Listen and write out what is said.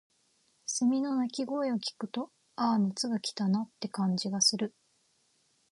蝉の鳴き声を聞くと、「ああ、夏が来たな」って感じがする。